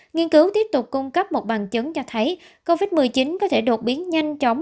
nghiên cứu tiếp tục cung cấp một bằng chứng cho thấy covid một mươi chín có thể đột biến nhanh chóng